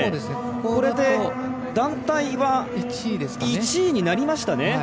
これで団体は１位になりましたね。